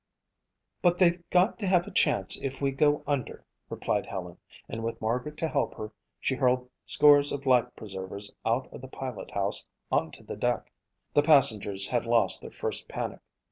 "But they've got to have a chance if we go under," replied Helen and with Margaret to help her, she hurled scores of life preservers out of the pilot house onto the deck. The passengers had lost their first panic.